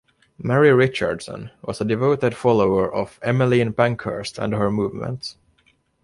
Mary Richardson was a devoted follower of Emmeline Pankhurst and her movement.